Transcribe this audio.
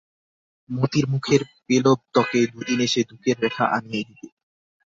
মতির মুখের পেলব ত্বকে দুদিনে সে দুঃখের রেখা আনিয়া দিবে।